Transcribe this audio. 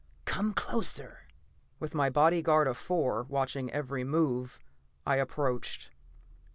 Come closer!" With my bodyguard of four watching every move, I approached.